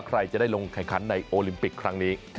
ใครจะได้ลงแข่งขันในโอลิมปิกครั้งนี้